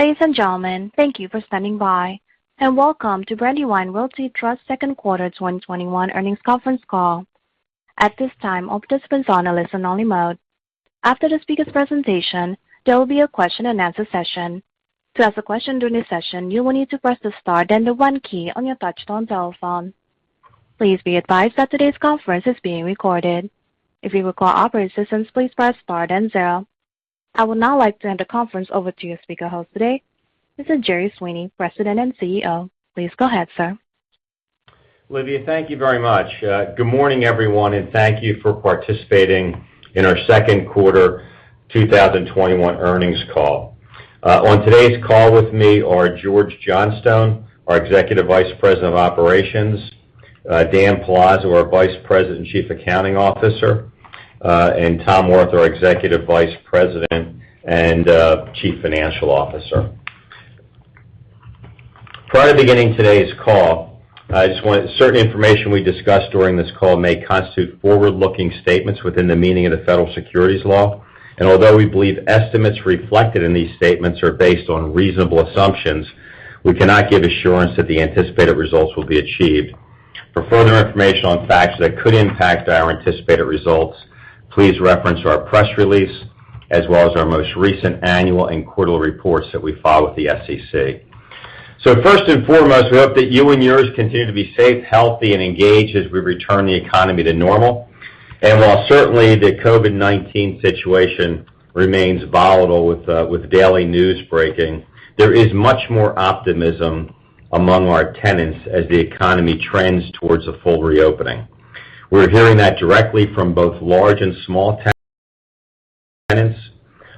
Ladies and gentlemen, thank you for standing by, and welcome to Brandywine Realty Trust second quarter 2021 earnings conference call. I would now like to hand the conference over to your speaker host today, Mr. Jerry Sweeney, President and CEO. Please go ahead, sir. Olivia, thank you very much. Good morning, everyone, and thank you for participating in our second quarter 2021 earnings call. On today's call with me are George Johnstone, our Executive Vice President of Operations, Dan Palazzo, our Vice President and Chief Accounting Officer, and Tom Wirth, our Executive Vice President and Chief Financial Officer. Prior to beginning today's call, certain information we discuss during this call may constitute forward-looking statements within the meaning of the federal securities law. Although we believe estimates reflected in these statements are based on reasonable assumptions, we cannot give assurance that the anticipated results will be achieved. For further information on facts that could impact our anticipated results, please reference our press release, as well as our most recent annual and quarterly reports that we file with the SEC. First and foremost, we hope that you and yours continue to be safe, healthy, and engaged as we return the economy to normal. While certainly the COVID-19 situation remains volatile with daily news breaking, there is much more optimism among our tenants as the economy trends towards a full reopening. We're hearing that directly from both large and small tenants.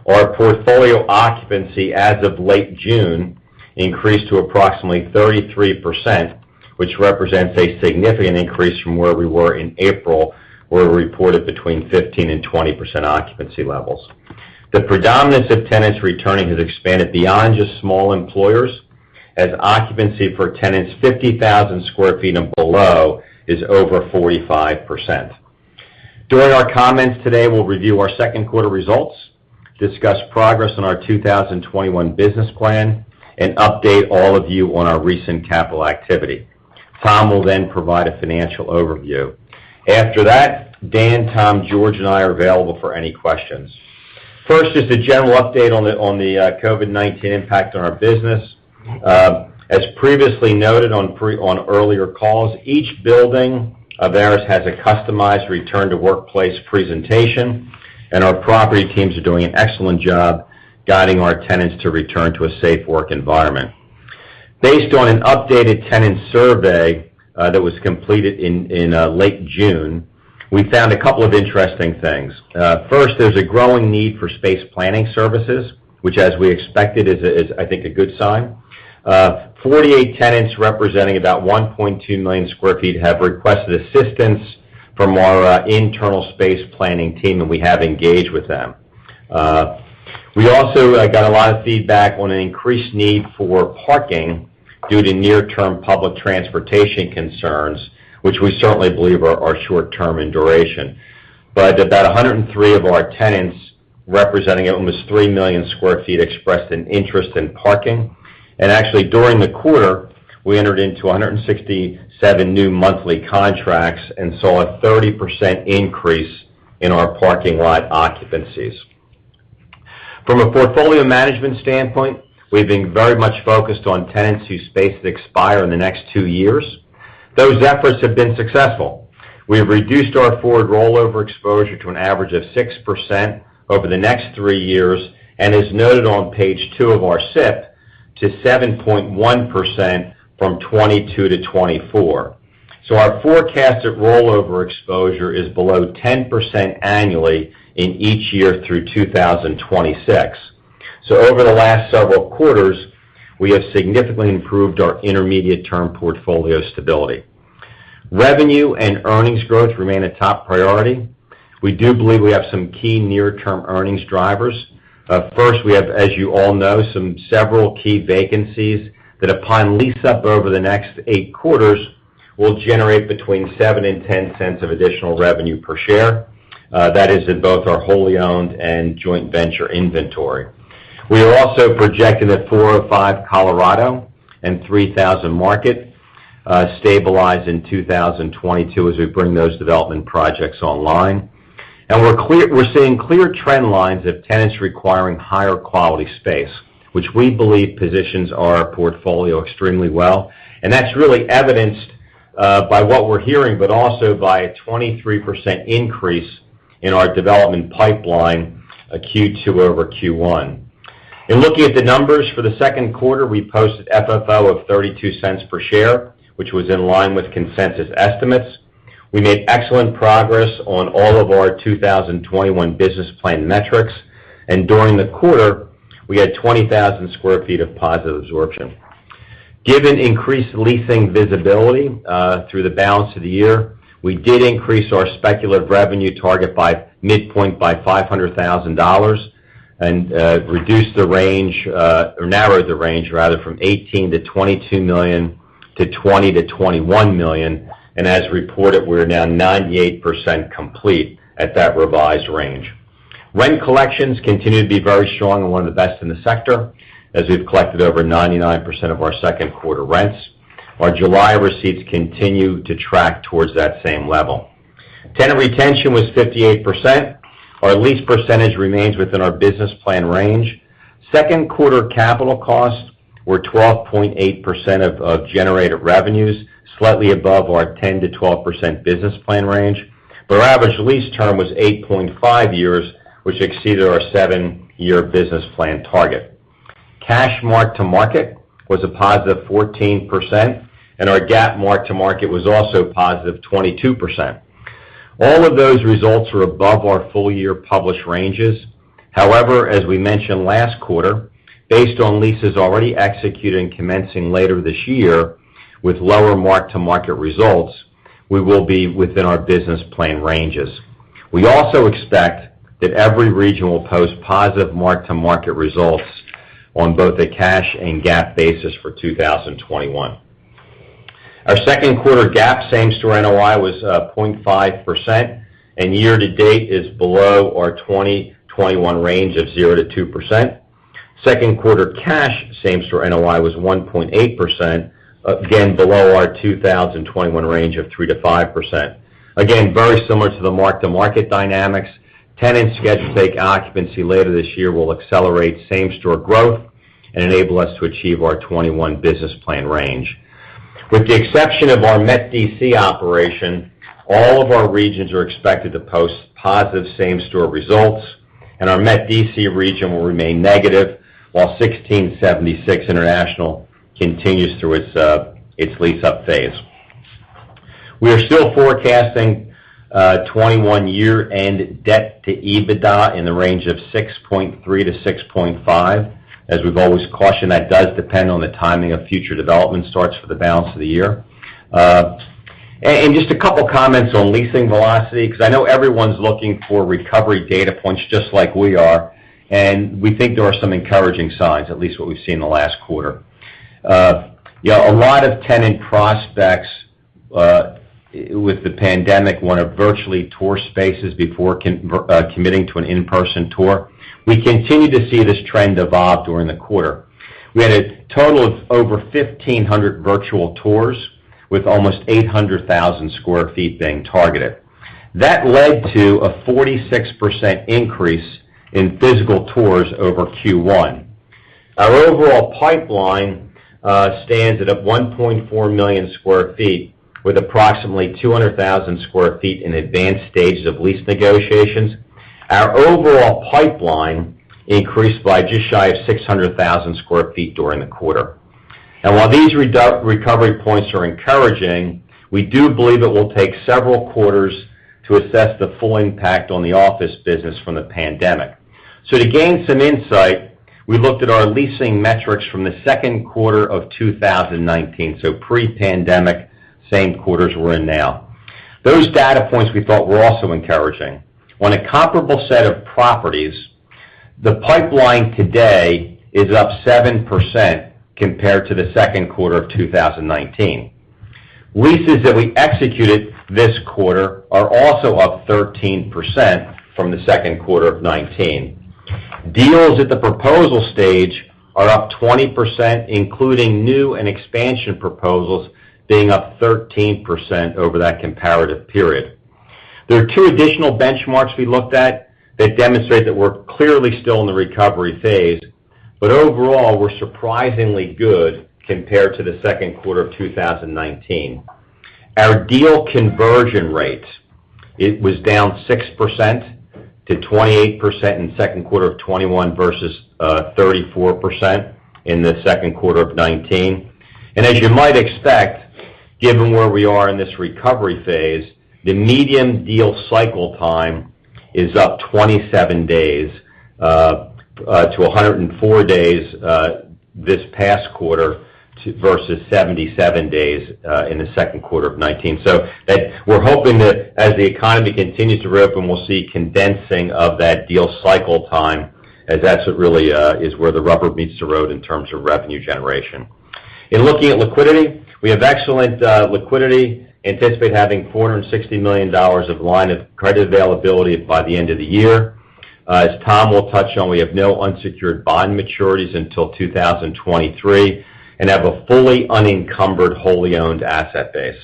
Our portfolio occupancy as of late June increased to approximately 33%, which represents a significant increase from where we were in April, where we reported between 15% and 20% occupancy levels. The predominance of tenants returning has expanded beyond just small employers, as occupancy for tenants 50,000 sq ft and below is over 45%. During our comments today, we'll review our second quarter results, discuss progress on our 2021 business plan, and update all of you on our recent capital activity. Tom will then provide a financial overview. After that, Dan, Tom, George, and I are available for any questions. First is the general update on the COVID-19 impact on our business. As previously noted on earlier calls, each building of ours has a customized return to workplace presentation, and our property teams are doing an excellent job guiding our tenants to return to a safe work environment. Based on an updated tenant survey that was completed in late June, we found a couple of interesting things. First, there's a growing need for space planning services, which as we expected, is, I think, a good sign. 48 tenants representing about 1,200,000 sq ft have requested assistance from our internal space planning team, and we have engaged with them. We also got a lot of feedback on an increased need for parking due to near-term public transportation concerns, which we certainly believe are short-term in duration. About 103 of our tenants representing almost 3,000,000 sq ft expressed an interest in parking. Actually, during the quarter, we entered into 167 new monthly contracts and saw a 30% increase in our parking lot occupancies. From a portfolio management standpoint, we've been very much focused on tenants whose spaces expire in the next two years. Those efforts have been successful. We have reduced our forward rollover exposure to an average of 6% over the next three years, and as noted on page two of our SIP, to 7.1% from 2022 to 2024. Our forecasted rollover exposure is below 10% annually in each year through 2026. Over the last several quarters, we have significantly improved our intermediate term portfolio stability. Revenue and earnings growth remain a top priority. We do believe we have some key near term earnings drivers. First, we have, as you all know, some several key vacancies that upon lease up over the next eight quarters, will generate between $0.07 and $0.10 of additional revenue per share. That is in both our wholly owned and joint venture inventory. We are also projecting that 405 Colorado and 3000 Market stabilize in 2022 as we bring those development projects online. We're seeing clear trend lines of tenants requiring higher quality space, which we believe positions our portfolio extremely well. That's really evidenced by what we're hearing, but also by a 23% increase in our development pipeline Q2-over-Q1. In looking at the numbers for the second quarter, we posted FFO of $0.32 per share, which was in line with consensus estimates. We made excellent progress on all of our 2021 business plan metrics, and during the quarter, we had 20,000 sq ft of positive absorption. Given increased leasing visibility through the balance of the year, we did increase our speculative revenue target by midpoint by $500,000 and reduced the range, or narrowed the range rather, from $18 million-$22 million to $20 million-$21 million, and as reported, we're now 98% complete at that revised range. Rent collections continue to be very strong and one of the best in the sector, as we've collected over 99% of our second quarter rents. Our July receipts continue to track towards that same level. Tenant retention was 58%. Our lease percentage remains within our business plan range. Second quarter capital costs were 12.8% of generated revenues, slightly above our 10%-12% business plan range. Our average lease term was 8.5 years, which exceeded our seven-year business plan target. Cash mark to market was a positive 14%, and our GAAP mark to market was also a positive 22%. All of those results were above our full-year published ranges. As we mentioned last quarter, based on leases already executed and commencing later this year, with lower mark to market results, we will be within our business plan ranges. We also expect that every region will post positive mark to market results on both a cash and GAAP basis for 2021. Our second quarter GAAP same store NOI was 0.5%, and year to date is below our 2021 range of 0%-2%. Second quarter cash same store NOI was 1.8%, again below our 2021 range of 3%-5%. Very similar to the mark to market dynamics. Tenants scheduled to take occupancy later this year will accelerate same store growth and enable us to achieve our 2021 business plan range. With the exception of our Met D.C. operation, all of our regions are expected to post positive same store results, and our Met D.C. region will remain negative, while 1676 International continues through its lease-up phase. We are still forecasting 2021 year-end debt to EBITDA in the range of 6.3x-6.5x. As we've always cautioned, that does depend on the timing of future development starts for the balance of the year. Just a couple comments on leasing velocity, because I know everyone's looking for recovery data points just like we are, and we think there are some encouraging signs, at least what we've seen in the last quarter. A lot of tenant prospects, with the pandemic, want to virtually tour spaces before committing to an in-person tour. We continued to see this trend evolve during the quarter. We had a total of over 1,500 virtual tours, with almost 800,000 sq ft being targeted. That led to a 46% increase in physical tours over Q1. Our overall pipeline stands at a 1,400,000 sq ft, with approximately 200,000 sq ft in advanced stages of lease negotiations. Our overall pipeline increased by just shy of 600,000 sq ft during the quarter. While these recovery points are encouraging, we do believe it will take several quarters to assess the full impact on the office business from the pandemic. To gain some insight, we looked at our leasing metrics from the second quarter of 2019, pre-pandemic, same quarters we're in now. Those data points we thought were also encouraging. On a comparable set of properties, the pipeline today is up 7% compared to the second quarter of 2019. Leases that we executed this quarter are also up 13% from the second quarter of 2019. Deals at the proposal stage are up 20%, including new and expansion proposals being up 13% over that comparative period. There are two additional benchmarks we looked at that demonstrate that we're clearly still in the recovery phase, but overall, we're surprisingly good compared to the second quarter of 2019. Our deal conversion rate, it was down 6% to 28% in second quarter of 2021 versus 34% in the second quarter of 2019. As you might expect, given where we are in this recovery phase, the median deal cycle time is up 27 days to 104 days this past quarter versus 77 days in the second quarter of 2019. We're hoping that as the economy continues to rip, and we'll see condensing of that deal cycle time as that really is where the rubber meets the road in terms of revenue generation. In looking at liquidity, we have excellent liquidity. Anticipate having $460 million of line of credit availability by the end of the year. As Tom will touch on, we have no unsecured bond maturities until 2023 and have a fully unencumbered, wholly owned asset base.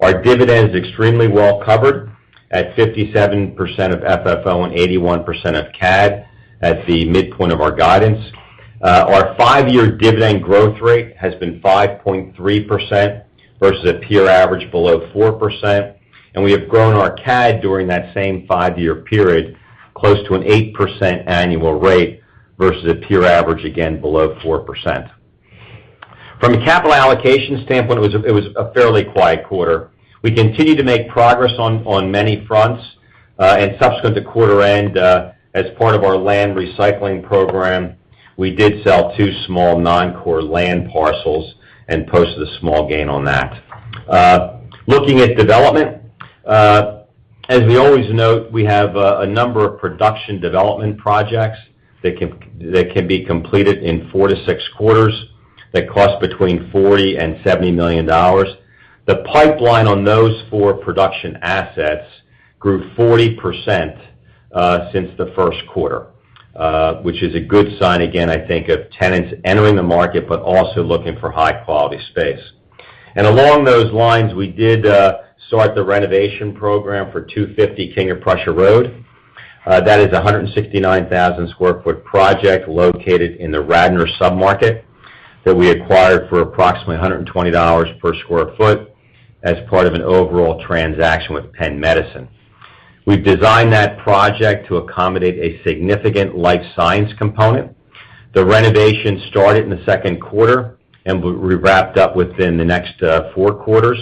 Our dividend is extremely well covered at 57% of FFO and 81% of CAD at the midpoint of our guidance. Our five-year dividend growth rate has been 5.3% versus a peer average below 4%, and we have grown our CAD during that same five-year period close to an 8% annual rate versus a peer average, again, below 4%. From a capital allocation standpoint, it was a fairly quiet quarter. We continue to make progress on many fronts. Subsequent to quarter end, as part of our land recycling program, we did sell two small non-core land parcels and posted a small gain on that. Looking at development. As we always note, we have a number of production development projects that can be completed in four to six quarters that cost between $40 million and $70 million. The pipeline on those four production assets grew 40% since the first quarter, which is a good sign, again, I think of tenants entering the market, but also looking for high-quality space. Along those lines, we did start the renovation program for 250 King of Prussia Road. That is a 169,000 sq ft project located in the Radnor sub-market that we acquired for approximately $120 per sq ft as part of an overall transaction with Penn Medicine. We've designed that project to accommodate a significant life science component. The renovation started in the second quarter and will be wrapped up within the next four quarters.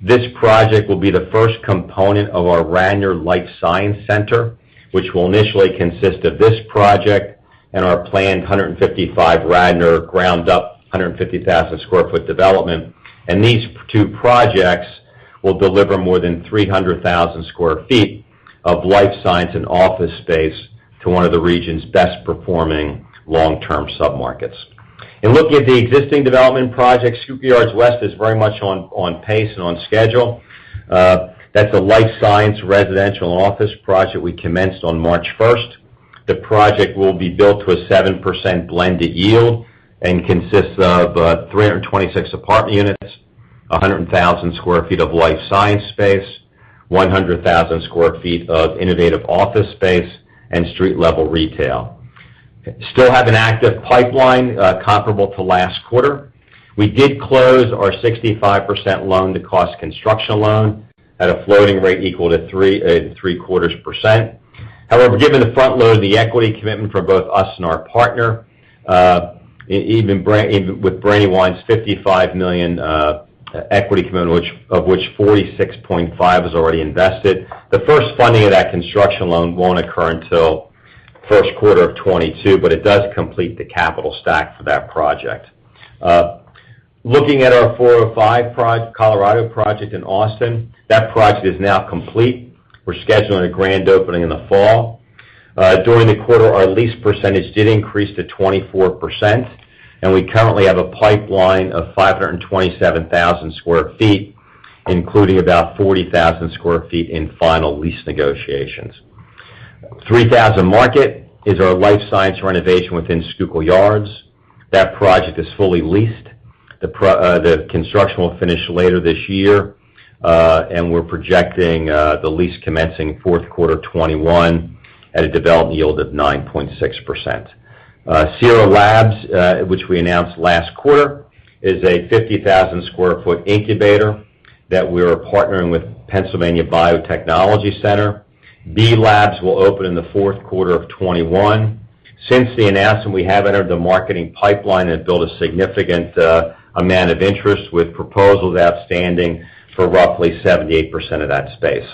This project will be the first component of our Radnor Life Science Center, which will initially consist of this project and our planned 155 Radnor ground-up, 150,000 sq ft development. These two projects will deliver more than 300,000 sq ft of life science and office space to one of the region's best-performing long-term submarkets. In looking at the existing development projects, Schuylkill Yards West is very much on pace and on schedule. That's a life science residential office project we commenced on March 1st. The project will be built to a 7% blended yield and consists of 326 apartment units, 100,000 sq ft of life science space, 100,000 sq ft of innovative office space, and street-level retail. Still have an active pipeline comparable to last quarter. We did close our 65% loan to cost construction loan at a floating rate equal to 3.75%. Given the front load of the equity commitment from both us and our partner, even with Brandywine's $55 million equity commitment, of which $46.5 million is already invested, the first funding of that construction loan won't occur until first quarter of 2022, but it does complete the capital stack for that project. Looking at our 405 Colorado project in Austin, that project is now complete. We're scheduling a grand opening in the fall. During the quarter, our lease percentage did increase to 24%, and we currently have a pipeline of 527,000 sq ft, including about 40,000 sq ft in final lease negotiations. 3000 Market is our life science renovation within Schuylkill Yards. That project is fully leased. The construction will finish later this year, and we're projecting the lease commencing fourth quarter 2021 at a development yield of 9.6%. Cira Labs, which we announced last quarter, is a 50,000 sq ft incubator that we are partnering with Pennsylvania Biotechnology Center. B.Labs will open in the fourth quarter of 2021. Since the announcement, we have entered the marketing pipeline and built a significant amount of interest with proposals outstanding for roughly 78% of that space.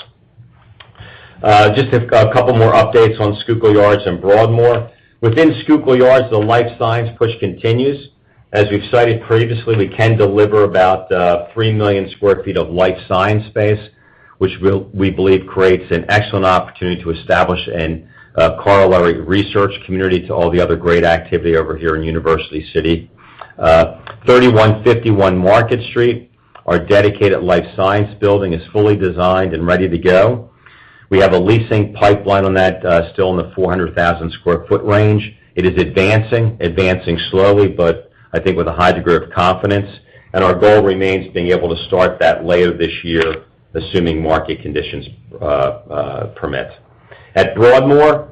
Just a couple more updates on Schuylkill Yards and Broadmoor. Within Schuylkill Yards, the life science push continues. As we've cited previously, we can deliver about 3,000,000 sq ft of life science space, which we believe creates an excellent opportunity to establish a corollary research community to all the other great activity over here in University City. 3151 Market Street, our dedicated life science building, is fully designed and ready to go. We have a leasing pipeline on that still in the 400,000 sq ft range. It is advancing slowly, but I think with a high degree of confidence. Our goal remains being able to start that later this year, assuming market conditions permit. At Broadmoor,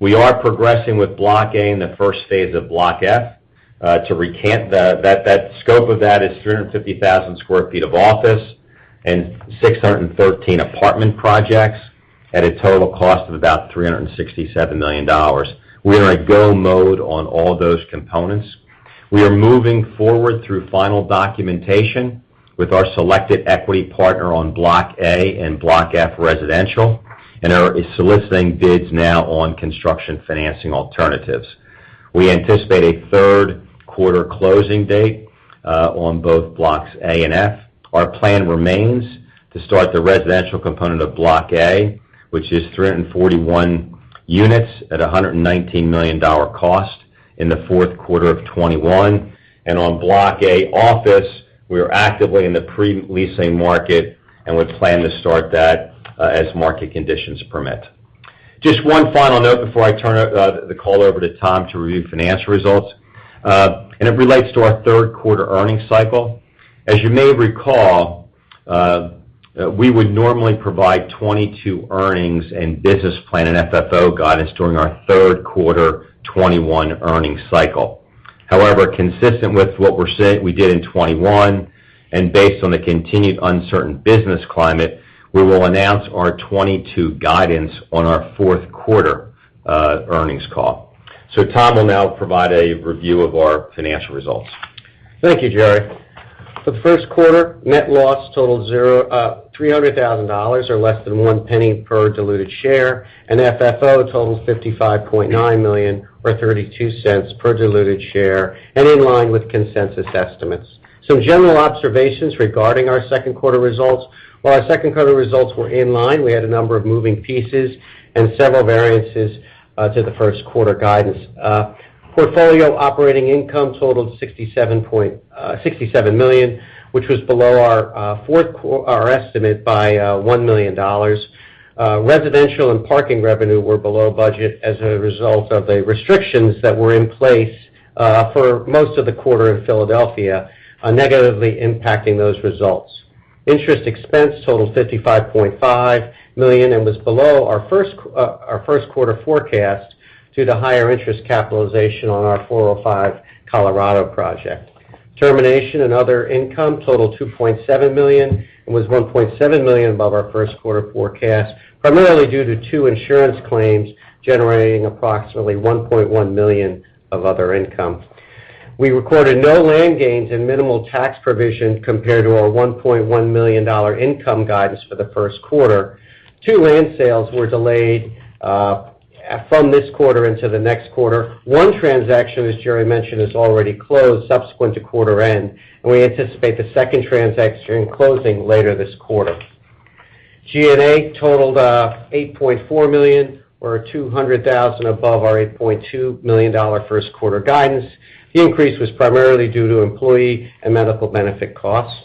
we are progressing with Block A and the first phase of Block F. That scope of that is 350,000 sq ft of office and 613 apartment projects at a total cost of about $367 million. We are in go mode on all those components. We are moving forward through final documentation with our selected equity partner on Block A and Block F residential, and are soliciting bids now on construction financing alternatives. We anticipate a third quarter closing date on both Blocks A and F. Our plan remains to start the residential component of Block A, which is 341 units at $119 million cost in the fourth quarter of 2021. On Block A office, we are actively in the pre-leasing market, and we plan to start that as market conditions permit. Just one final note before I turn the call over to Tom to review financial results, and it relates to our third quarter earnings cycle. As you may recall, we would normally provide 2022 earnings and business plan and FFO guidance during our third quarter 2021 earnings cycle. However, consistent with what we did in 2021, and based on the continued uncertain business climate, we will announce our 2022 guidance on our fourth quarter earnings call. Tom will now provide a review of our financial results. Thank you, Jerry. For the first quarter, net loss totaled $300,000 or less than $0.01 per diluted share, and FFO totaled $55.9 million or $0.32 per diluted share, and in line with consensus estimates. Some general observations regarding our second quarter results. While our second quarter results were in line, we had a number of moving pieces and several variances to the first quarter guidance. Portfolio operating income totaled $67 million, which was below our estimate by $1 million. Residential and parking revenue were below budget as a result of the restrictions that were in place for most of the quarter in Philadelphia, negatively impacting those results. Interest expense totaled $55.5 million and was below our first quarter forecast due to higher interest capitalization on our 405 Colorado project. Termination and other income totaled $2.7 million and was $1.7 million above our first quarter forecast, primarily due to two insurance claims generating approximately $1.1 million of other income. We recorded no land gains and minimal tax provision compared to our $1.1 million income guidance for the first quarter. Two land sales were delayed from this quarter into the next quarter. One transaction, as Jerry mentioned, is already closed subsequent to quarter end, and we anticipate the second transaction closing later this quarter. G&A totaled $8.4 million or $200,000 above our $8.2 million first quarter guidance. The increase was primarily due to employee and medical benefit costs.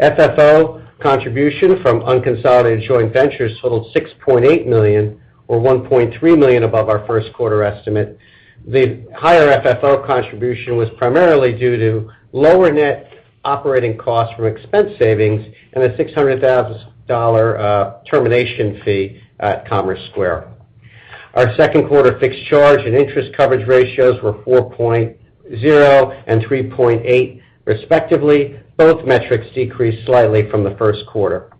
FFO contribution from unconsolidated joint ventures totaled $6.8 million or $1.3 million above our first quarter estimate. The higher FFO contribution was primarily due to lower net operating costs from expense savings and a $600,000 termination fee at Commerce Square. Our second quarter fixed charge and interest coverage ratios were 4.0x and 3.8x respectively. Both metrics decreased slightly from the first quarter.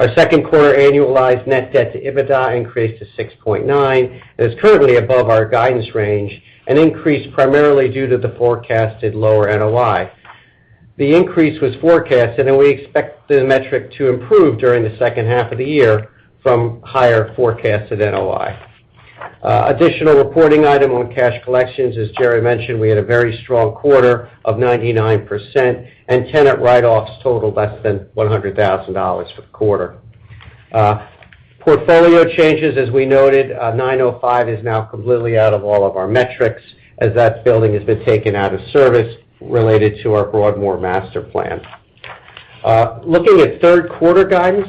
Our second quarter annualized net debt to EBITDA increased to 6.9x and is currently above our guidance range and increased primarily due to the forecasted lower NOI. The increase was forecasted, and we expect the metric to improve during the second half of the year from higher forecasted NOI. Additional reporting item on cash collections, as Jerry mentioned, we had a very strong quarter of 99%, and tenant write-offs totaled less than $100,000 for the quarter. Portfolio changes, as we noted, 905 is now completely out of all of our metrics as that building has been taken out of service related to our Broadmoor master plan. Looking at third quarter guidance,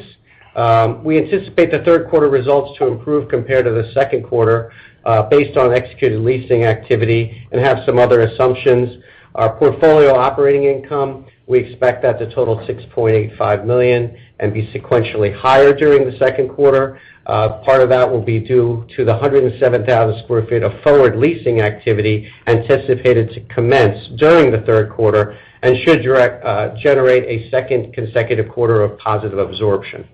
we anticipate the third quarter results to improve compared to the second quarter based on executed leasing activity and have some other assumptions. Our portfolio operating income, we expect that to total $6.85 million and be sequentially higher during the second quarter. Part of that will be due to the 107,000 sq ft of forward leasing activity anticipated to commence during the third quarter and should generate a second consecutive quarter of positive absorption.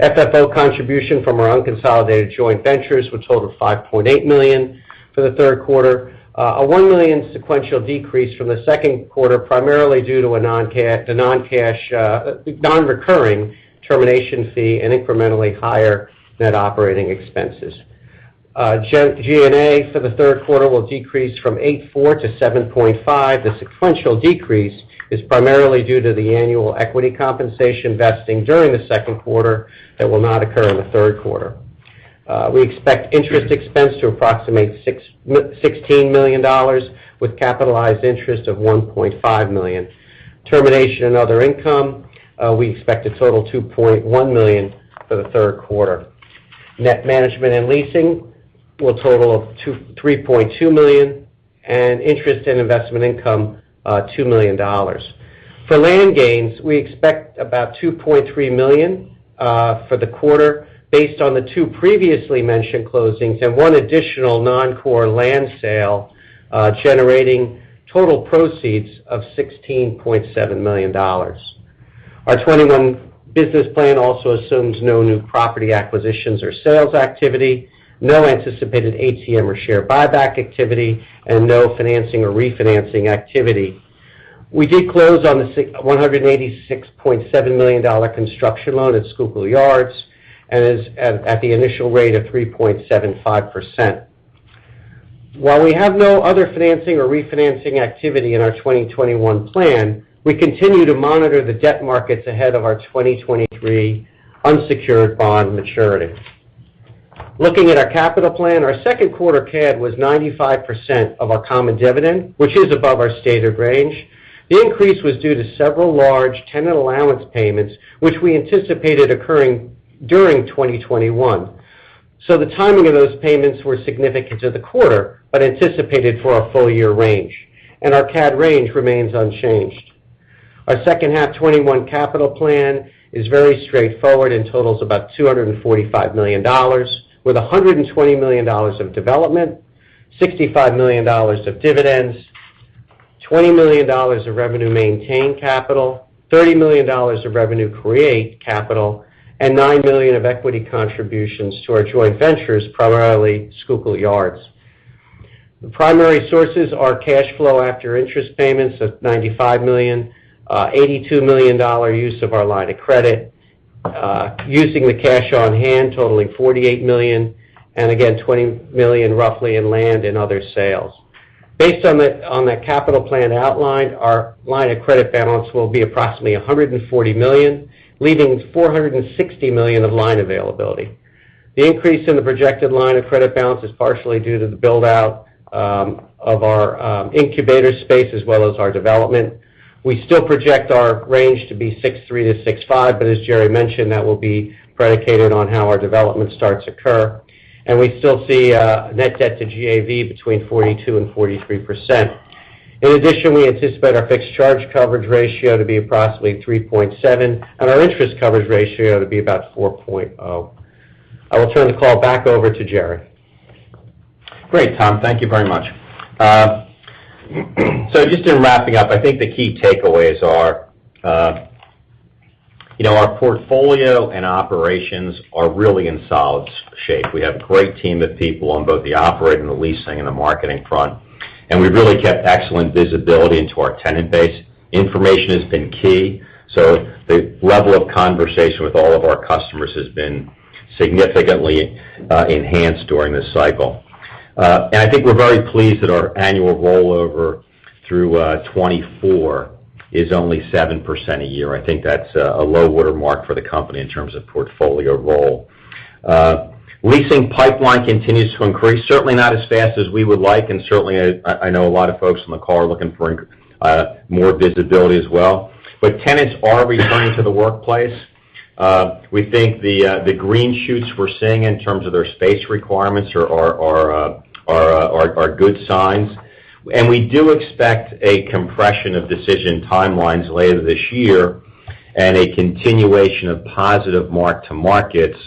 FFO contribution from our unconsolidated joint ventures will total $5.8 million for the third quarter. A $1 million sequential decrease from the second quarter, primarily due to a non-recurring termination fee and incrementally higher net operating expenses. G&A for the third quarter will decrease from $8.4 million to $7.5 million. The sequential decrease is primarily due to the annual equity compensation vesting during the second quarter that will not occur in the third quarter. We expect interest expense to approximate $16 million with capitalized interest of $1.5 million. Termination and other income, we expect to total $2.1 million for the third quarter. Net management and leasing will total $3.2 million, and interest and investment income, $2 million. For land gains, we expect about $2.3 million for the quarter based on the two previously mentioned closings and one additional non-core land sale generating total proceeds of $16.7 million. Our 2021 business plan also assumes no new property acquisitions or sales activity, no anticipated ATM or share buyback activity, and no financing or refinancing activity. We did close on the $186.7 million construction loan at Schuylkill Yards and at the initial rate of 3.75%. While we have no other financing or refinancing activity in our 2021 plan, we continue to monitor the debt markets ahead of our 2023 unsecured bond maturity. Looking at our capital plan, our second quarter CAD was 95% of our common dividend, which is above our stated range. The increase was due to several large tenant allowance payments, which we anticipated occurring during 2021. The timing of those payments were significant to the quarter but anticipated for our full-year range, and our CAD range remains unchanged. Our second half 2021 capital plan is very straightforward and totals about $245 million, with $120 million of development, $65 million of dividends, $20 million of revenue maintain capital, $30 million of revenue create capital, and $9 million of equity contributions to our joint ventures, primarily Schuylkill Yards. The primary sources are cash flow after interest payments of $95 million, $82 million use of our line of credit, using the cash on hand totaling $48 million, and again, $20 million roughly in land and other sales. Based on the capital plan outlined, our line of credit balance will be approximately $140 million, leaving $460 million of line availability. The increase in the projected line of credit balance is partially due to the build-out of our incubator space as well as our development. We still project our range to be $6.30-$6.50, but as Jerry mentioned, that will be predicated on how our development starts occur. We still see net debt to GAV between 42% and 43%. In addition, we anticipate our fixed charge coverage ratio to be approximately 3.7x, and our interest coverage ratio to be about 4.0x. I will turn the call back over to Jerry. Great, Tom. Thank you very much. Just in wrapping up, I think the key takeaways are our portfolio and operations are really in solid shape. We have a great team of people on both the operating, the leasing, and the marketing front, and we've really kept excellent visibility into our tenant base. Information has been key, the level of conversation with all of our customers has been significantly enhanced during this cycle. I think we're very pleased that our annual rollover through 2024 is only 7% a year. I think that's a low watermark for the company in terms of portfolio roll. Leasing pipeline continues to increase, certainly not as fast as we would like, and certainly I know a lot of folks on the call are looking for more visibility as well. Tenants are returning to the workplace. We think the green shoots we're seeing in terms of their space requirements are good signs. We do expect a compression of decision timelines later this year and a continuation of positive mark-to-markets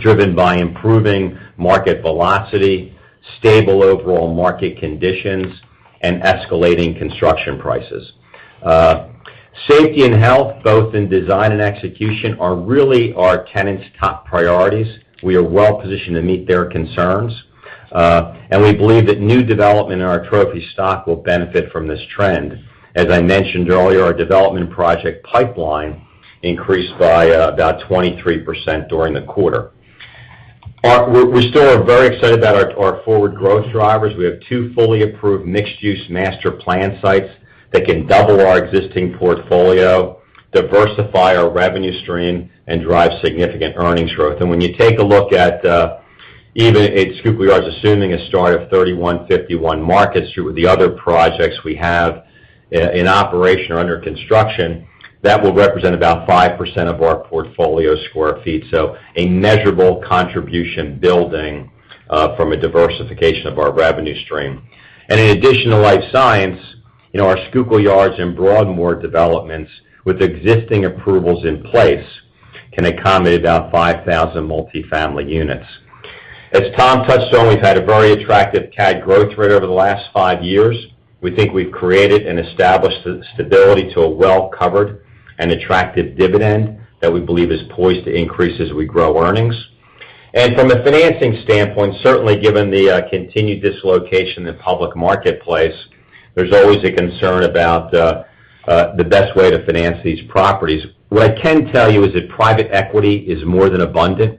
driven by improving market velocity, stable overall market conditions, and escalating construction prices. Safety and health, both in design and execution, are really our tenants' top priorities. We are well positioned to meet their concerns. We believe that new development in our trophy stock will benefit from this trend. As I mentioned earlier, our development project pipeline increased by about 23% during the quarter. We still are very excited about our forward growth drivers. We have two fully approved mixed-use master plan sites that can double our existing portfolio, diversify our revenue stream, and drive significant earnings growth. When you take a look at even at Schuylkill Yards, assuming a start of 3151 Market through the other projects we have in operation or under construction, that will represent about 5% of our portfolio square feet. A measurable contribution building from a diversification of our revenue stream. In addition to life science, our Schuylkill Yards and Broadmoor developments with existing approvals in place can accommodate about 5,000 multi-family units. As Tom touched on, we've had a very attractive CAD growth rate over the last five years. We think we've created and established stability to a well-covered and attractive dividend that we believe is poised to increase as we grow earnings. From a financing standpoint, certainly given the continued dislocation in the public marketplace, there's always a concern about the best way to finance these properties. What I can tell you is that private equity is more than abundant.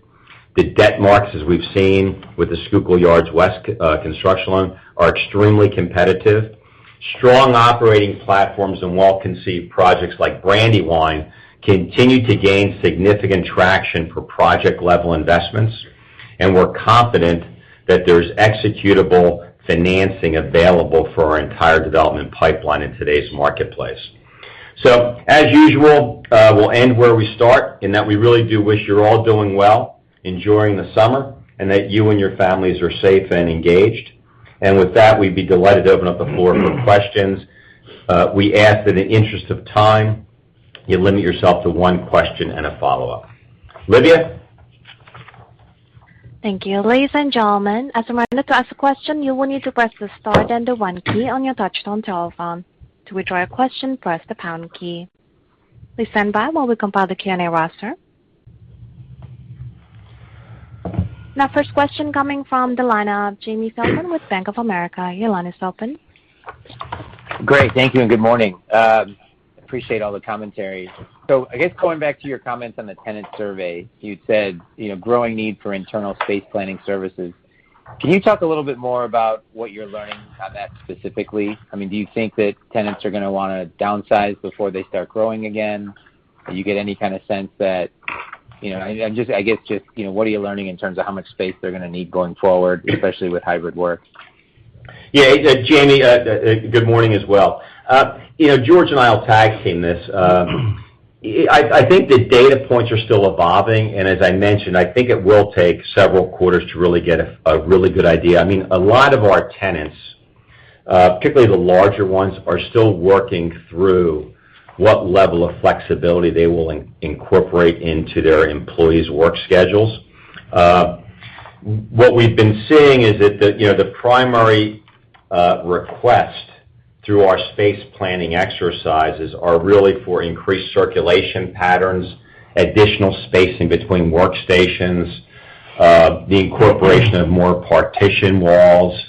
The debt markets, as we've seen with the Schuylkill Yards West construction loan, are extremely competitive. Strong operating platforms and well-conceived projects like Brandywine continue to gain significant traction for project-level investments. We're confident that there's executable financing available for our entire development pipeline in today's marketplace. As usual, we'll end where we start, in that we really do wish you're all doing well, enjoying the summer, and that you and your families are safe and engaged. With that, we'd be delighted to open up the floor for questions. We ask that in the interest of time, you limit yourself to one question and a follow-up. Olivia? Thank you. Ladies and gentlemen. The first question coming from the line of Jamie Feldman with Bank of America. Your line is open. Great. Thank you and good morning. Appreciate all the commentary. I guess going back to your comments on the tenant survey, you'd said growing need for internal space planning services. Can you talk a little bit more about what you're learning on that specifically? Do you think that tenants are going to want to downsize before they start growing again? What are you learning in terms of how much space they're going to need going forward, especially with hybrid work? Yeah. Jamie, good morning as well. George and I will tag team this. I think the data points are still evolving, and as I mentioned, I think it will take several quarters to really get a really good idea. A lot of our tenants, particularly the larger ones, are still working through what level of flexibility they will incorporate into their employees' work schedules. What we've been seeing is that the primary requests through our space planning exercises are really for increased circulation patterns, additional spacing between workstations, the incorporation of more partition walls.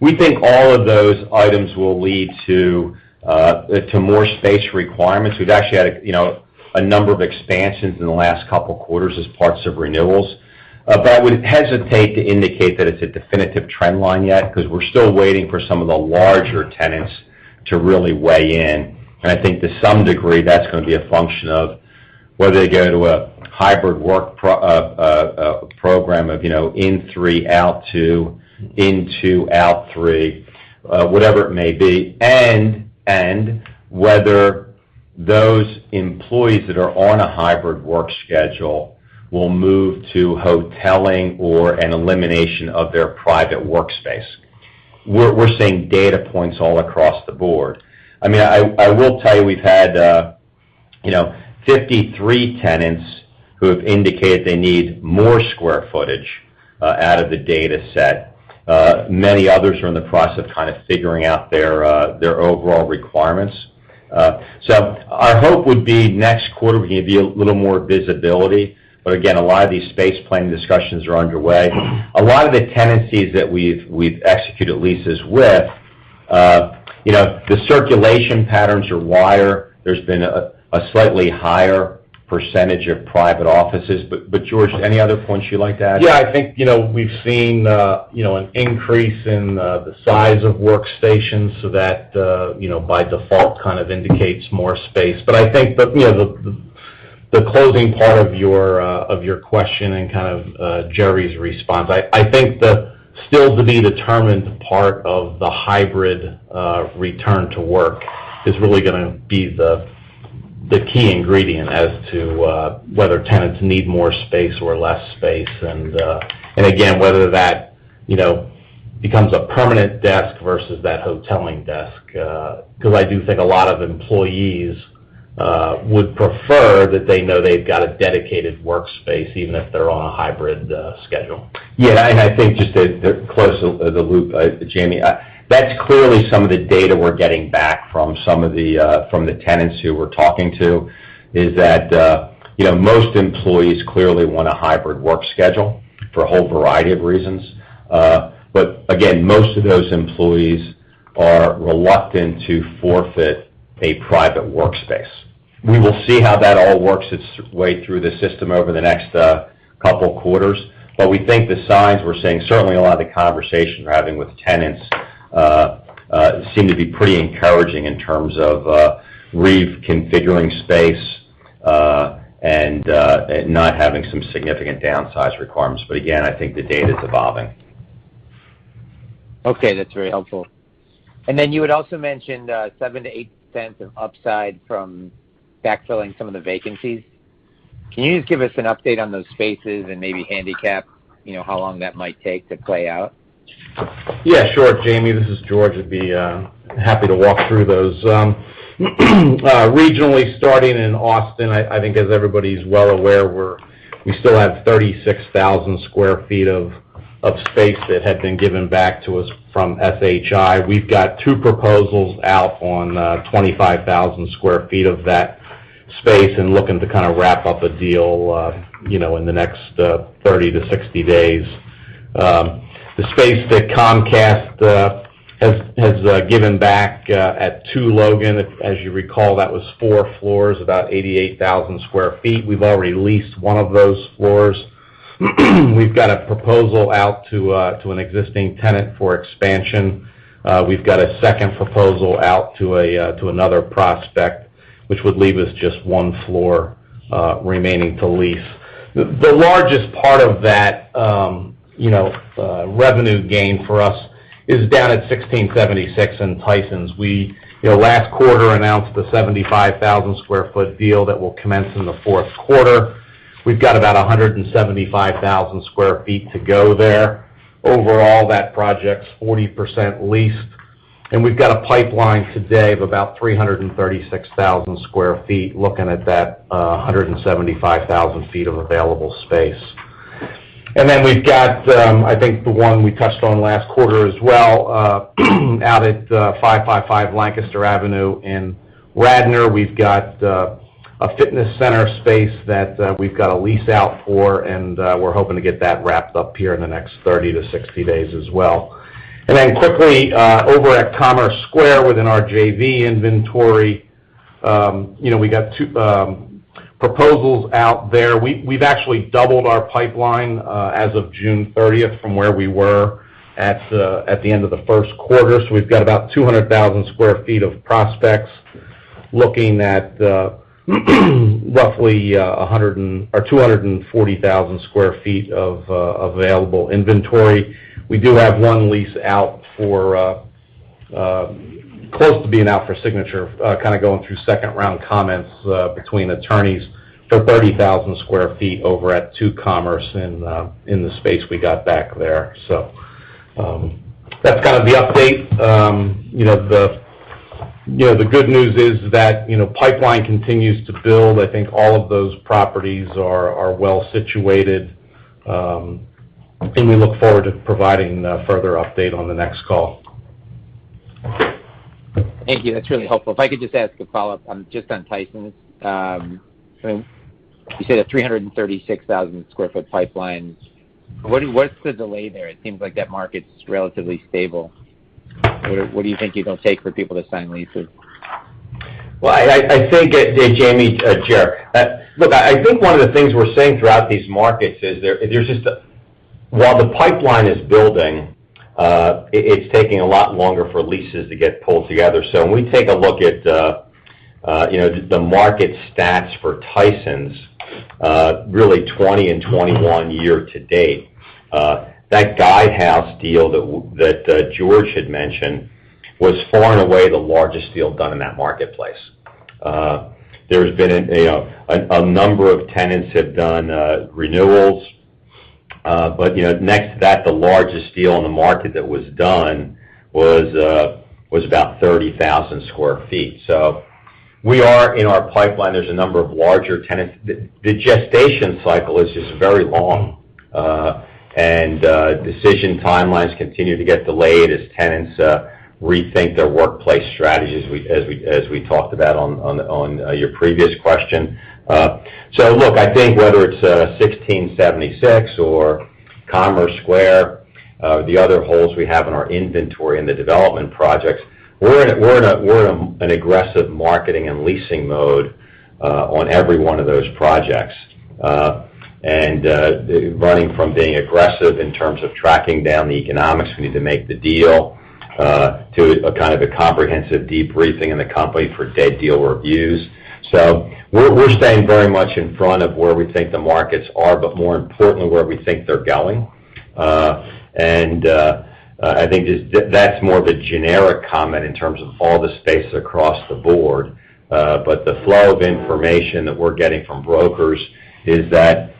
We think all of those items will lead to more space requirements. We've actually had a number of expansions in the last couple of quarters as parts of renewals. I would hesitate to indicate that it's a definitive trend line yet, because we're still waiting for some of the larger tenants to really weigh in. I think to some degree, that's going to be a function of whether they go to a hybrid work program of in three, out two, in two, out three, whatever it may be, and whether those employees that are on a hybrid work schedule will move to hoteling or an elimination of their private workspace. We're seeing data points all across the board. I will tell you, we've had 53 tenants who have indicated they need more square footage out of the data set. Many others are in the process of kind of figuring out their overall requirements. Our hope would be next quarter we can give you a little more visibility. Again, a lot of these space planning discussions are underway. A lot of the tenancies that we've executed leases with, the circulation patterns are wider. There's been a slightly higher percentage of private offices. George, any other points you'd like to add? Yeah, I think we've seen an increase in the size of workstations, so that, by default, kind of indicates more space. I think the closing part of your question and kind of Jerry's response, I think the still to be determined part of the hybrid return to work is really going to be the key ingredient as to whether tenants need more space or less space. Again, whether that becomes a permanent desk versus that hoteling desk, because I do think a lot of employees would prefer that they know they've got a dedicated workspace, even if they're on a hybrid schedule. Yeah, I think just to close the loop, Jamie, that's clearly some of the data we're getting back from the tenants who we're talking to, is that most employees clearly want a hybrid work schedule for a whole variety of reasons. Again, most of those employees are reluctant to forfeit a private workspace. We will see how that all works its way through the system over the next couple of quarters. We think the signs we're seeing, certainly a lot of the conversation we're having with tenants, seem to be pretty encouraging in terms of reconfiguring space, and not having some significant downsize requirements. Again, I think the data's evolving. Okay, that's very helpful. You had also mentioned 7%-8% of upside from backfilling some of the vacancies. Can you just give us an update on those spaces and maybe handicap how long that might take to play out? Yeah, sure. Jamie, this is George. I'd be happy to walk through those. Regionally, starting in Austin, I think as everybody's well aware, we still have 36,000 sq ft of space that had been given back to us from SHI. We've got two proposals out on 25,000 sq ft of that space looking to kind of wrap up a deal in the next 30-60 days. The space that Comcast has given back at 2 Logan, as you recall, that was four floors, about 88,000 sq ft. We've already leased one of those floors. We've got a proposal out to an existing tenant for expansion. We've got a second proposal out to another prospect, which would leave us just one floor remaining to lease. The largest part of that revenue gain for us is down at 1676 in Tysons. We, last quarter, announced the 75,000 sq ft deal that will commence in the fourth quarter. We've got about 175,000 sq ft to go there. Overall, that project's 40% leased, and we've got a pipeline today of about 336,000 sq ft looking at that 175,000 ft of available space. We've got, I think, the one we touched on last quarter as well, out at 555 Lancaster Avenue in Radnor. We've got a fitness center space that we've got a lease out for, and we're hoping to get that wrapped up here in the next 30-60 days as well. Quickly, over at Commerce Square within our JV inventory, we got two proposals out there. We've actually doubled our pipeline as of June 30th from where we were at the end of the first quarter. We've got about 200,000 square feet of prospects looking at roughly 240,000 square feet of available inventory. We do have one lease out close to being out for signature, kind of going through second-round comments between attorneys for 30,000 square feet over at 2 Commerce in the space we got back there. That's kind of the update. The good news is that pipeline continues to build. I think all of those properties are well-situated, and we look forward to providing a further update on the next call. Thank you. That's really helpful. If I could just ask a follow-up just on Tysons. You said a 336,000 sq ft pipeline. What's the delay there? It seems like that market's relatively stable. What do you think you're going to take for people to sign leases? Well, I say. Jamie, this is Jerry, look, I think one of the things we're seeing throughout these markets is while the pipeline is building, it's taking a lot longer for leases to get pulled together. When we take a look at the market stats for Tysons, really 2020 and 2021 year-to-date, that Guidehouse deal that George had mentioned was far and away the largest deal done in that marketplace. A number of tenants have done renewals. Next to that, the largest deal in the market that was done was about 30,000 sq ft. In our pipeline, there's a number of larger tenants. The gestation cycle is just very long, and decision timelines continue to get delayed as tenants rethink their workplace strategy, as we talked about on your previous question. Look, I think whether it's 1676 or Commerce Square, the other holes we have in our inventory in the development projects, we're in an aggressive marketing and leasing mode on every one of those projects. Running from being aggressive in terms of tracking down the economics we need to make the deal to a kind of a comprehensive debriefing in the company for dead deal reviews. We're staying very much in front of where we think the markets are, but more importantly, where we think they're going. I think just that's more of a generic comment in terms of all the space across the board. The flow of information that we're getting from brokers is that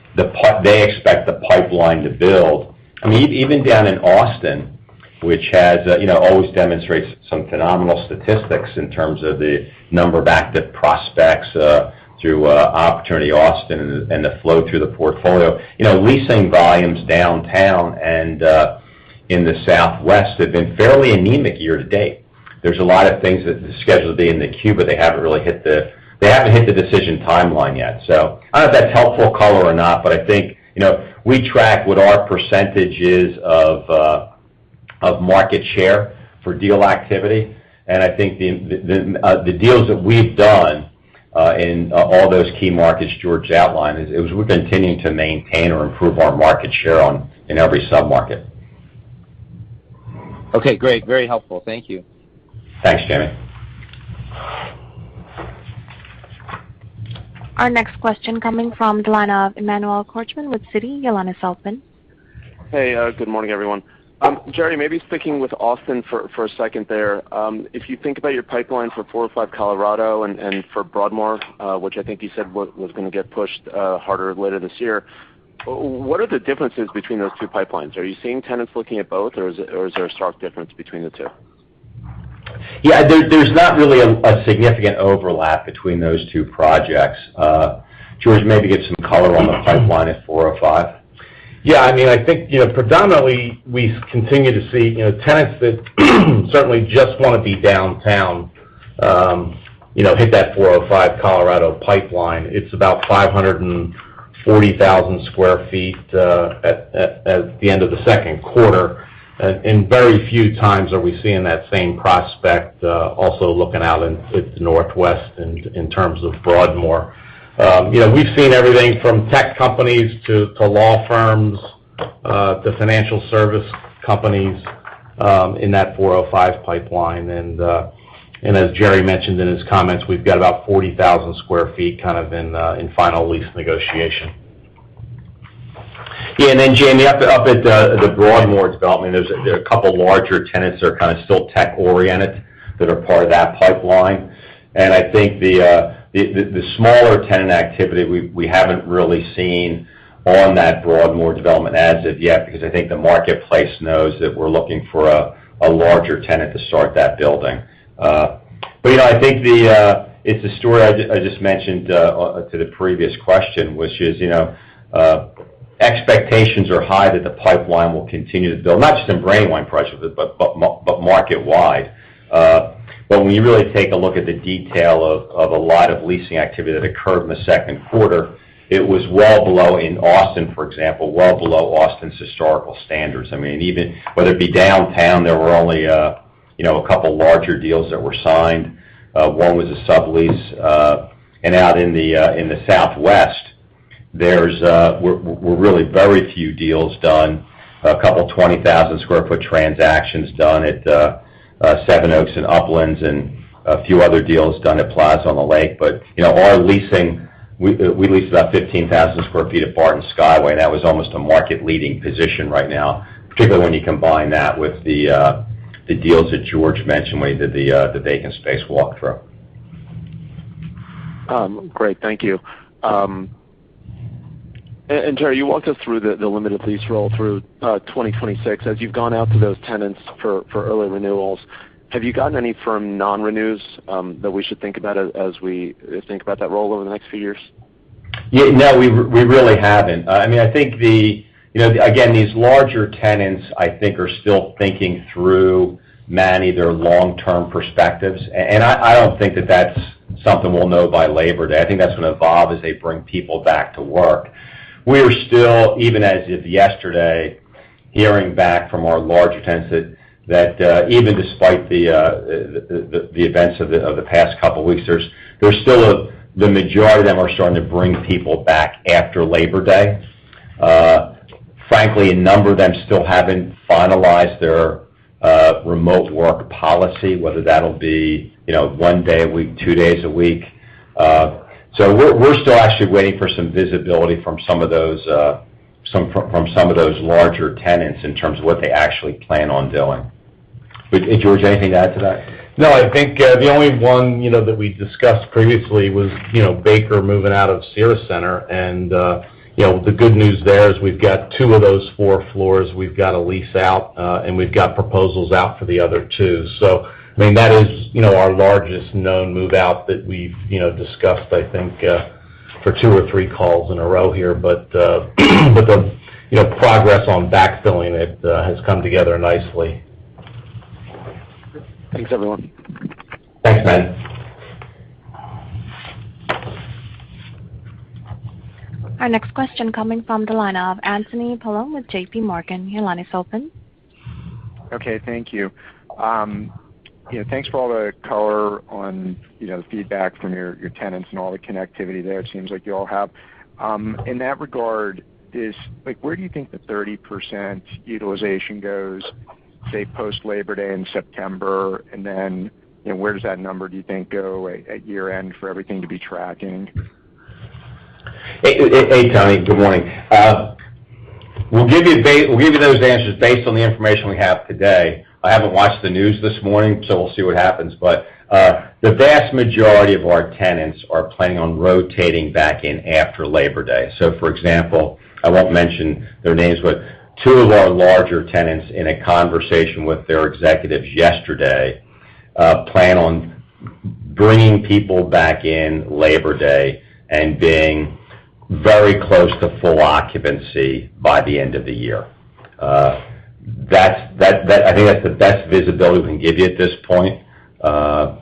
they expect the pipeline to build. Even down in Austin, which always demonstrates some phenomenal statistics in terms of the number of active prospects through Opportunity Austin and the flow through the portfolio. Leasing volumes downtown and in the southwest have been fairly anemic year-to-date. There's a lot of things that are scheduled to be in the queue, but they haven't hit the decision timeline yet. I don't know if that's helpful color or not, but I think we track what our percentage is of market share for deal activity. I think the deals that we've done in all those key markets George outlined, is we're continuing to maintain or improve our market share in every sub-market. Okay, great. Very helpful. Thank you. Thanks, Jamie. Our next question coming from the line of Emmanuel Korchman with Citi. Your line is open. Hey, good morning, everyone. Jerry, maybe sticking with Austin for a second there. If you think about your pipeline for 405 Colorado and for Broadmoor, which I think you said was going to get pushed harder later this year, what are the differences between those two pipelines? Are you seeing tenants looking at both, or is there a stark difference between the two? Yeah, there's not really a significant overlap between those two projects. George, maybe give some color on the pipeline at 405. Yeah, I think predominantly, we continue to see tenants that certainly just want to be downtown hit that 405 Colorado pipeline. It's about 540,000 sq ft at the end of the second quarter. Very few times are we seeing that same prospect also looking out in Northwest in terms of Broadmoor. We've seen everything from tech companies to law firms, to financial service companies in that 405 pipeline. As Jerry mentioned in his comments, we've got about 40,000 sq ft kind of in final lease negotiation. Yeah. And then up at the Broadmoor development, there's two larger tenants that are kind of still tech-oriented that are part of that pipeline. I think the smaller tenant activity we haven't really seen on that Broadmoor development asset yet, because I think the marketplace knows that we're looking for a larger tenant to start that building. I think it's a story I just mentioned to the previous question, which is, expectations are high that the pipeline will continue to build, not just in Brandywine projects, but market-wide. When you really take a look at the detail of a lot of leasing activity that occurred in the second quarter, it was well below in Austin, for example, well below Austin's historical standards. Whether it be downtown, there were only two larger deals that were signed. One was a sublease. Out in the Southwest, there were really very few deals done. A couple 20,000 sq ft transactions done at Seven Oaks and Uplands and a few other deals done at Plaza on the Lake. Our leasing, we leased about 15,000 sq ft at Barton Skyway, and that was almost a market-leading position right now, particularly when you combine that with the deals that George mentioned when he did the vacant space walkthrough. Great. Thank you. Jerry, you walked us through the limited lease roll through 2026. As you've gone out to those tenants for early renewals, have you gotten any firm non-renews that we should think about as we think about that roll over the next few years? No, we really haven't. These larger tenants, I think, are still thinking through many of their long-term perspectives, and I don't think that that's something we'll know by Labor Day. I think that's going to evolve as they bring people back to work. We are still, even as of yesterday, hearing back from our larger tenants that even despite the events of the past couple of weeks, the majority of them are starting to bring people back after Labor Day. Frankly, a number of them still haven't finalized their remote work policy, whether that'll be one day a week, two days a week. We're still actually waiting for some visibility from some of those larger tenants in terms of what they actually plan on doing. George, anything to add to that? No, I think the only one that we discussed previously was Baker moving out of Cira Centre, and the good news there is we've got two of those four floors we've got to lease out, and we've got proposals out for the other two. That is our largest known move-out that we've discussed, I think, for two or three calls in a row here. The progress on backfilling it has come together nicely. Thanks, everyone. Thanks, [Manny]. Our next question coming from the line of Anthony Paolone with JPMorgan. Your line is open. Okay, thank you. Thanks for all the color on the feedback from your tenants and all the connectivity there it seems like you all have. In that regard, where do you think the 30% utilization goes, say, post-Labor Day in September, and then where does that number, do you think, go at year-end for everything to be tracking? Hey, Tony. Good morning. We'll give you those answers based on the information we have today. I haven't watched the news this morning. We'll see what happens. The vast majority of our tenants are planning on rotating back in after Labor Day. For example, I won't mention their names, but two of our larger tenants, in a conversation with their executives yesterday, plan on bringing people back in Labor Day and being very close to full occupancy by the end of the year. I think that's the best visibility we can give you at this point. A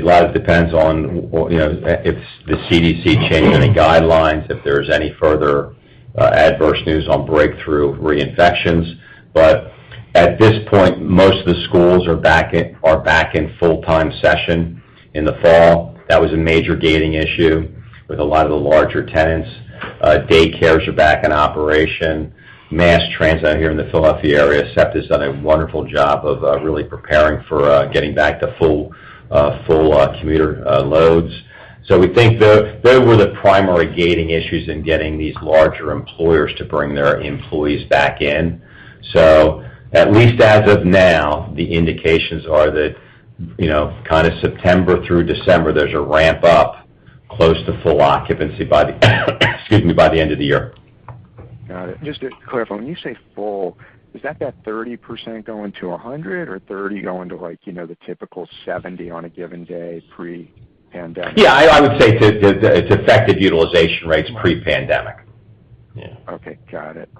lot of it depends on if the CDC changes any guidelines, if there's any further adverse news on breakthrough reinfections. At this point, most of the schools are back in full-time session in the fall. That was a major gating issue with a lot of the larger tenants. Daycares are back in operation. Mass transit here in the Philadelphia area, SEPTA's done a wonderful job of really preparing for getting back to full commuter loads. We think those were the primary gating issues in getting these larger employers to bring their employees back in. At least as of now, the indications are that kind of September through December, there's a ramp up close to full occupancy by the end of the year. Got it. Just to be clear, when you say full, is that 30% going to 100% or 30% going to the typical 70% on a given day pre-pandemic? Yeah, I would say it's effective utilization rates pre-pandemic. Okay, got it.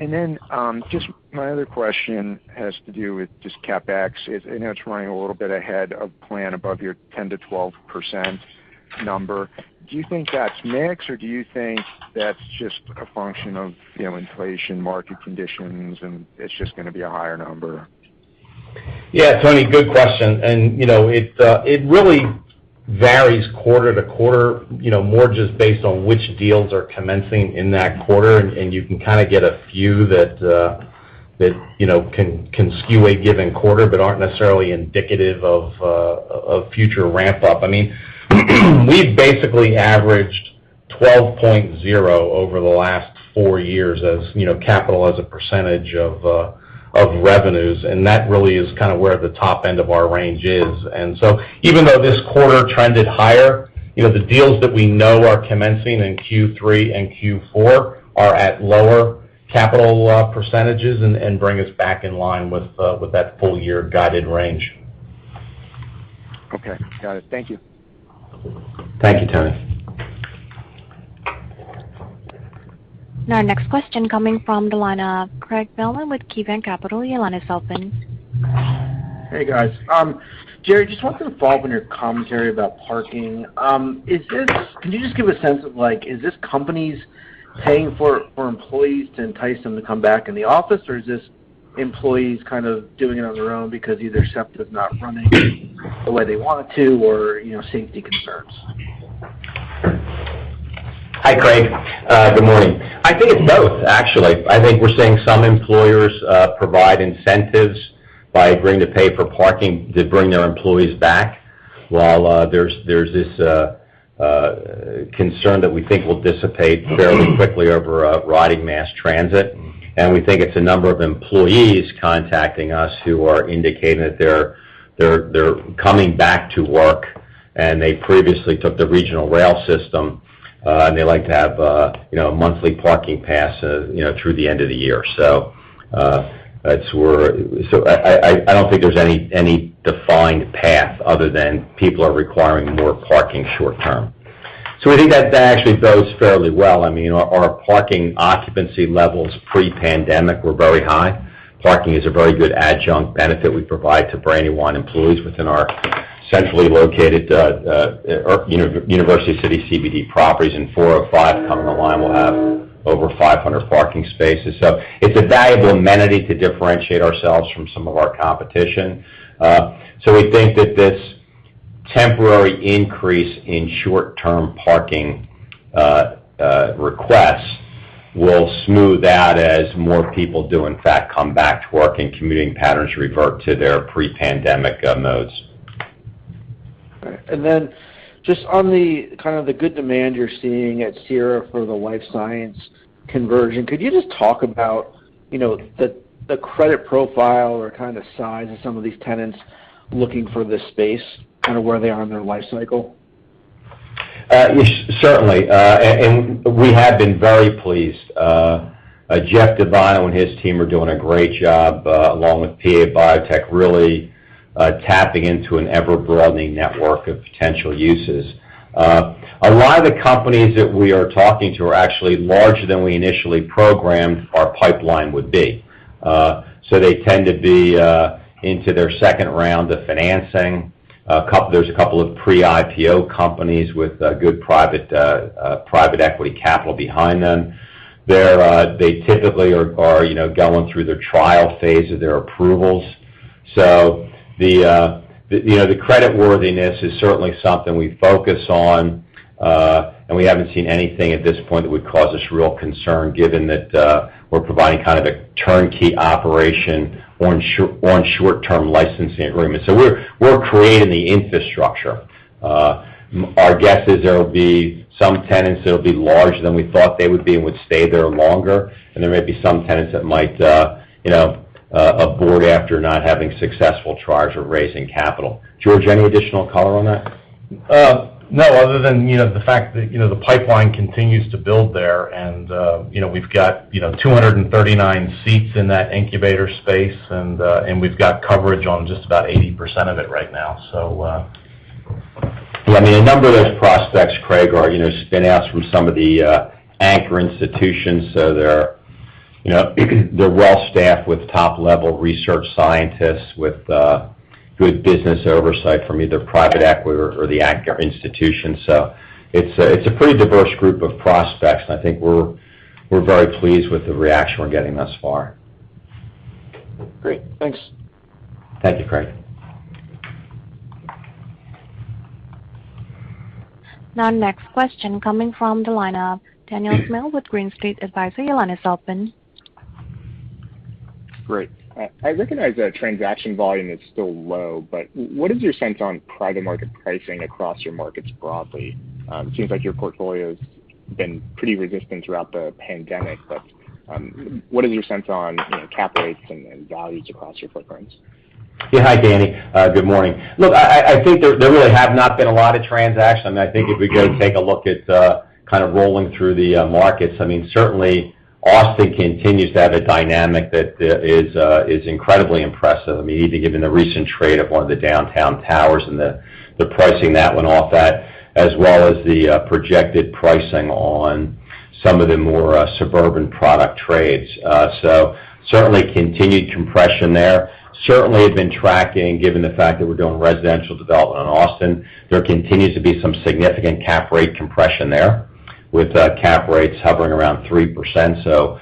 My other question has to do with just CapEx. I know it's running a little bit ahead of plan above your 10%-12% number. Do you think that's mix, or do you think that's just a function of inflation, market conditions, and it's just going to be a higher number? Yeah, Tony, good question. It really varies quarter to quarter, more just based on which deals are commencing in that quarter. You can kind of get a few that can skew a given quarter but aren't necessarily indicative of future ramp-up. We've basically averaged 12.0% over the last four years as capital as a percentage of revenues, and that really is kind of where the top end of our range is. Even though this quarter trended higher, the deals that we know are commencing in Q3 and Q4 are at lower capital percentages and bring us back in line with that full-year guided range. Okay. Got it. Thank you. Thank you, Tony. Now, our next question coming from the line of Craig Mailman with KeyBanc Capital. Your line is open. Hey, guys. Jerry, just wanted to follow up on your commentary about parking. Can you just give a sense of, is this companies paying for employees to entice them to come back in the office, or is this employees kind of doing it on their own because either SEPTA's not running the way they want it to, or safety concerns? Hi, Craig. Good morning. I think it's both, actually. I think we're seeing some employers provide incentives by agreeing to pay for parking to bring their employees back, while there's this concern that we think will dissipate fairly quickly over riding mass transit. We think it's a number of employees contacting us who are indicating that they're coming back to work. They previously took the regional rail system, and they like to have a monthly parking pass through the end of the year. I don't think there's any defined path other than people are requiring more parking short-term. We think that actually bodes fairly well. Our parking occupancy levels pre-pandemic were very high. Parking is a very good adjunct benefit we provide to Brandywine employees within our centrally located University City CBD properties, and 405 coming online will have over 500 parking spaces. It's a valuable amenity to differentiate ourselves from some of our competition. We think that this temporary increase in short-term parking requests will smooth out as more people do in fact, come back to work, and commuting patterns revert to their pre-pandemic modes. All right. Just on the kind of the good demand you're seeing at Cira for the life science conversion, could you just talk about the credit profile or kind of size of some of these tenants looking for this space, kind of where they are in their life cycle? Yes, certainly. We have been very pleased. Jeff DeVuono and his team are doing a great job, along with PA Biotech, really tapping into an ever-broadening network of potential uses. A lot of the companies that we are talking to are actually larger than we initially programmed our pipeline would be. They tend to be into their second round of financing. There's a couple of pre-IPO companies with good private equity capital behind them. They typically are going through their trial phase of their approvals. The creditworthiness is certainly something we focus on. We haven't seen anything at this point that would cause us real concern given that we're providing kind of a turnkey operation or in short-term licensing agreements. We're creating the infrastructure. Our guess is there'll be some tenants that'll be larger than we thought they would be and would stay there longer. There may be some tenants that might abort after not having successful trials or raising capital. George, any additional color on that? No, other than the fact that the pipeline continues to build there and we've got 239 seats in that incubator space, and we've got coverage on just about 80% of it right now. Yeah, a number of those prospects, Craig, are spin-outs from some of the anchor institutions. They're well-staffed with top-level research scientists with good business oversight from either private equity or the anchor institutions. It's a pretty diverse group of prospects, and I think we're very pleased with the reaction we're getting thus far. Great. Thanks. Thank you, Craig. Now next question coming from the line of Daniel Ismail with Green Street Advisors. Your line is open. Great. I recognize that transaction volume is still low, what is your sense on private market pricing across your markets broadly? It seems like your portfolio's been pretty resistant throughout the pandemic, what is your sense on cap rates and values across your footprints? Yeah. Hi, Danny. Good morning. Look, I think there really have not been a lot of transactions. I think if we go take a look at kind of rolling through the markets, certainly Austin continues to have a dynamic that is incredibly impressive. Even given the recent trade of one of the downtown towers and the pricing that went off that, as well as the projected pricing on some of the more suburban product trades. Certainly continued compression there. Certainly have been tracking given the fact that we're doing residential development in Austin. There continues to be some significant cap rate compression there with cap rates hovering around 3%.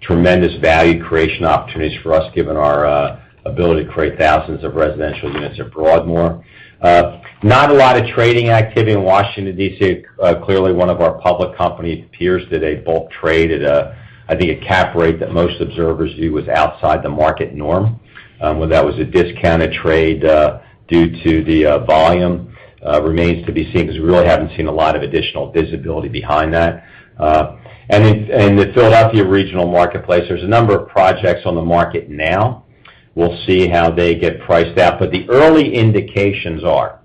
Tremendous value creation opportunities for us given our ability to create thousands of residential units at Broadmoor. Not a lot of trading activity in Washington, D.C. Clearly, one of our public company peers today bulk traded, I think, a cap rate that most observers view was outside the market norm. Whether that was a discounted trade due to the volume remains to be seen, because we really haven't seen a lot of additional visibility behind that. In the Philadelphia regional marketplace, there's a number of projects on the market now. We'll see how they get priced out. The early indications are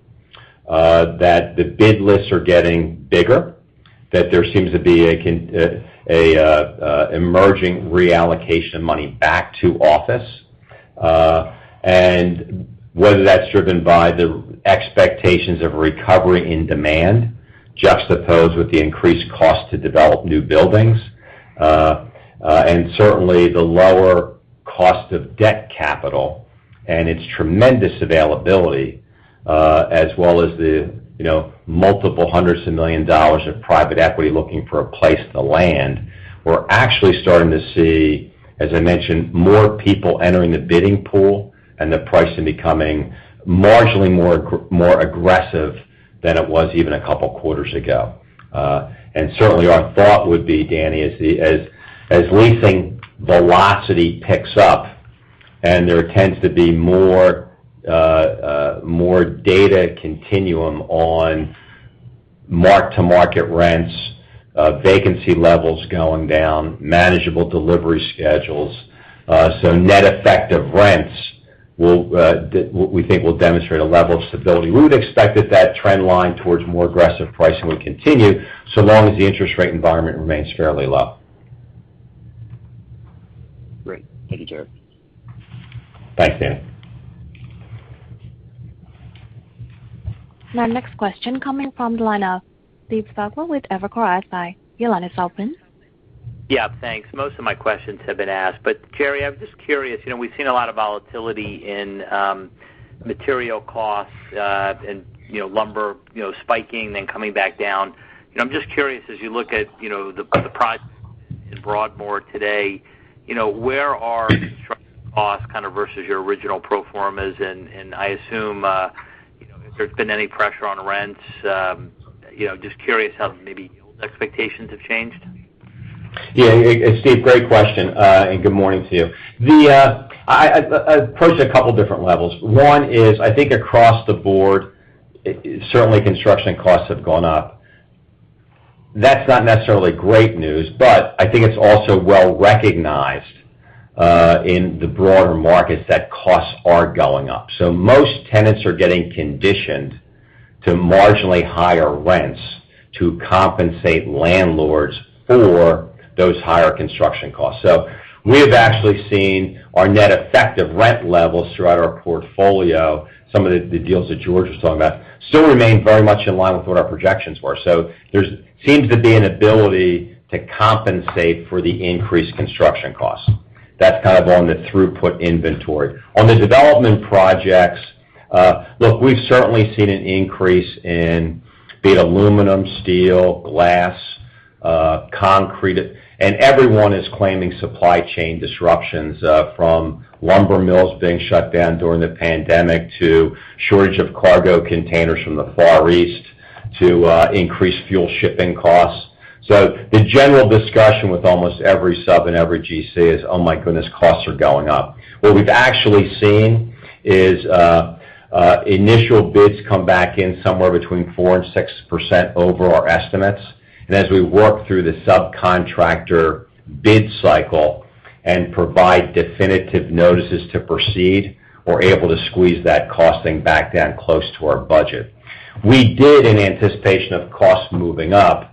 that the bid lists are getting bigger, that there seems to be an emerging reallocation of money back to office. Whether that's driven by the expectations of a recovery in demand juxtaposed with the increased cost to develop new buildings. Certainly the lower cost of debt capital and its tremendous availability, as well as the multiple hundreds of million dollars of private equity looking for a place to land. We're actually starting to see, as I mentioned, more people entering the bidding pool and the pricing becoming marginally more aggressive than it was even a couple of quarters ago. Certainly our thought would be, Danny, as leasing velocity picks up and there tends to be more data continuum on mark-to-market rents, vacancy levels going down, manageable delivery schedules. Net effective rents, we think will demonstrate a level of stability. We would expect that that trend line towards more aggressive pricing will continue so long as the interest rate environment remains fairly low. Great. Thank you, Jerry. Thanks, Danny. Our next question coming from the line of Steve Sakwa with Evercore ISI. Your line is open. Yeah, thanks. Most of my questions have been asked. Jerry, I'm just curious, we've seen a lot of volatility in material costs and lumber spiking, then coming back down. I'm just curious, as you look at the price in Broadmoor today, where are construction costs kind of versus your original pro formas? I assume, if there's been any pressure on rents, just curious how maybe expectations have changed. Steve, great question. Good morning to you. I'll approach it at a couple different levels. One is, I think across the board, certainly construction costs have gone up. That's not necessarily great news. I think it's also well-recognized, in the broader markets, that costs are going up. Most tenants are getting conditioned to marginally higher rents to compensate landlords for those higher construction costs. We have actually seen our net effective rent levels throughout our portfolio, some of the deals that George was talking about, still remain very much in line with what our projections were. There seems to be an ability to compensate for the increased construction costs. That's kind of on the throughput inventory. On the development projects, look, we've certainly seen an increase in be it aluminum, steel, glass, concrete. Everyone is claiming supply chain disruptions, from lumber mills being shut down during the pandemic, to shortage of cargo containers from the Far East, to increased fuel shipping costs. The general discussion with almost every sub and every GC is, "Oh my goodness, costs are going up." What we've actually seen is initial bids come back in somewhere between 4% and 6% over our estimates. As we work through the subcontractor bid cycle and provide definitive notices to proceed, we're able to squeeze that costing back down close to our budget. We did, in anticipation of costs moving up,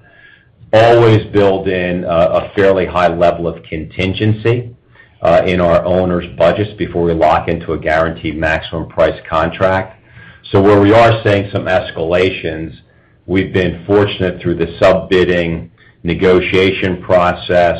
always build in a fairly high level of contingency in our owners' budgets before we lock into a guaranteed maximum price contract. Where we are seeing some escalations, we've been fortunate through the sub-bidding negotiation process,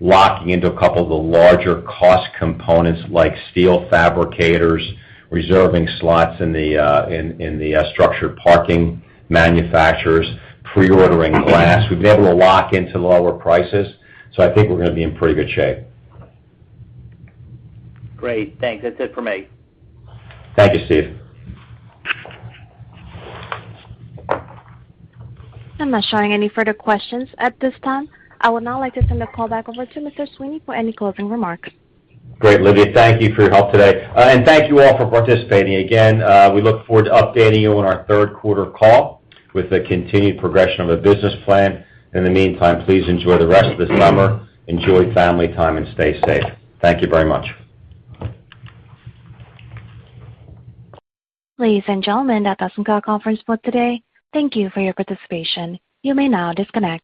locking into a couple of the larger cost components like steel fabricators, reserving slots in the structured parking manufacturers, pre-ordering glass. We've been able to lock into lower prices. I think we're going to be in pretty good shape. Great. Thanks. That's it for me. Thank you, Steve. I'm not showing any further questions at this time. I would now like to send the call back over to Mr. Sweeney for any closing remarks. Great, Olivia. Thank you for your help today. Thank you all for participating. Again, we look forward to updating you on our third quarter call with the continued progression of the business plan. In the meantime, please enjoy the rest of the summer, enjoy family time, and stay safe. Thank you very much. Ladies and gentlemen, that does end our conference call today. Thank you for your participation. You may now disconnect.